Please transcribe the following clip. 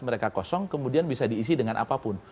mereka kosong kemudian bisa diisi dengan apapun